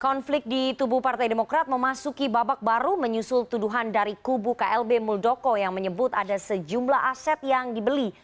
konflik di tubuh partai demokrat memasuki babak baru menyusul tuduhan dari kubu klb muldoko yang menyebut ada sejumlah aset yang dibeli